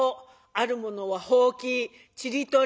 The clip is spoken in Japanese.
ある者はほうきちり取り。